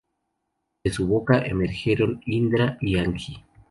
De su boca emergieron Indra y Agni.